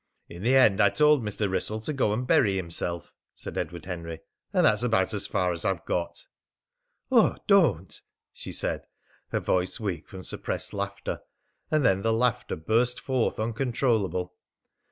"In the end I told Mr. Wrissell to go and bury himself," said Edward Henry. "And that's about as far as I've got." "Oh, don't!" she said, her voice weak from suppressed laughter, and then the laughter burst forth uncontrollable.